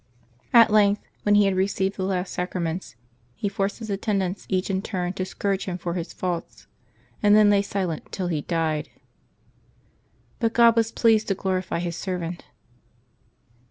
At length, when he had received the last sacraments, he forced his attendants each in turn to scourge him for his faults, and then lay silent till he died. But God was pleased to glorify His servant.